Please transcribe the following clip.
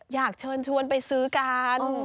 อยากเชิญชวนไปซื้อกัน